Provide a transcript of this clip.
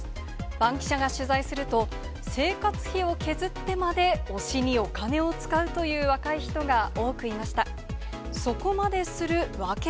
バンキシャが取材すると、生活費を削ってまで推しにお金を使うという若い人が多くいました。